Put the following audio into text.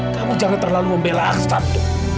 kamu jangan terlalu membela aksan dong